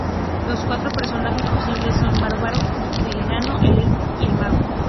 Los cuatro personajes posibles son el bárbaro, el enano, el elfo y el mago.